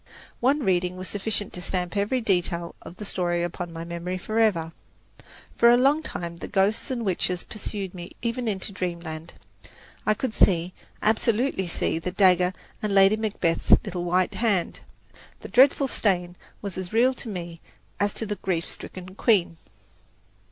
One reading was sufficient to stamp every detail of the story upon my memory forever. For a long time the ghosts and witches pursued me even into Dreamland. I could see, absolutely see, the dagger and Lady Macbeth's little white hand the dreadful stain was as real to me as to the grief stricken queen.